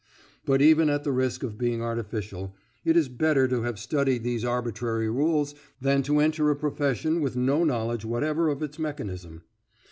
But, even at the risk of being artificial, it is better to have studied these arbitrary rules than to enter a profession with no knowledge whatever of its mechanism.